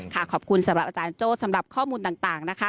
ขอบคุณสำหรับอาจารย์โจ้สำหรับข้อมูลต่างนะคะ